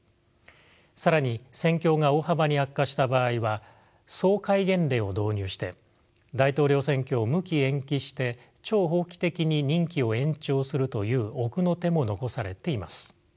更に戦況が大幅に悪化した場合は総戒厳令を導入して大統領選挙を無期延期して超法規的に任期を延長するという奥の手も残されています。